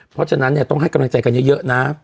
เพราะฉะนั้นเนี่ยต้องให้กำลังใจกันเยอะนะ